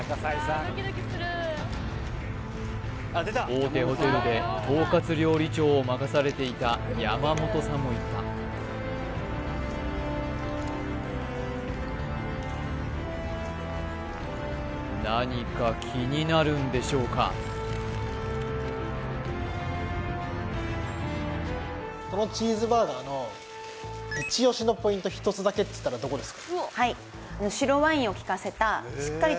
大手ホテルで統括料理長を任されていた山本さんもいった何か気になるんでしょうかこのチーズバーガーのイチ押しのポイント１つだけっつったらどこですか？